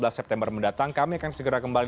dua belas september mendatang kami akan segera kembali